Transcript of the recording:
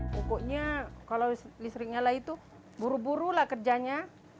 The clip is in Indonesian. pokoknya kalau listrik nyala itu buru buru lah kerjanya